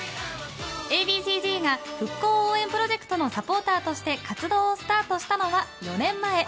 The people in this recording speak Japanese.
Ａ．Ｂ．Ｃ‐Ｚが復興応援プロジェクトのサポーターとして活動をスタートしたのは４年前。